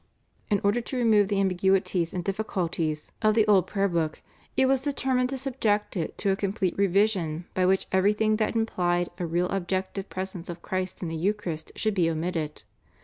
In order to remove the ambiguities and difficulties of the old Prayer Book, it was determined to subject it to a complete revision by which everything that implied a real objective presence of Christ in the Eucharist should be omitted.